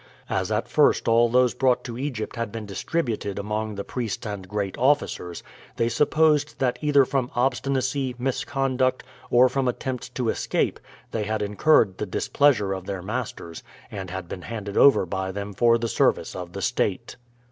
As at first all those brought to Egypt had been distributed among the priests and great officers, they supposed that either from obstinacy, misconduct, or from attempts to escape they had incurred the displeasure of their masters, and had been handed over by them for the service of the state.